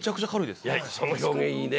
その表現いいね。